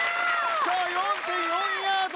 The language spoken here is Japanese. さぁ４．４ヤード。